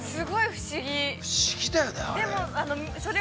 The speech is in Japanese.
◆不思議だよね、あれ。